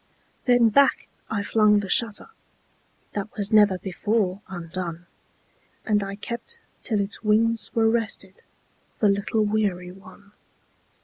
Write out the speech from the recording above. Then back I flung the shutterThat was never before undone, And I kept till its wings were restedThe little weary one.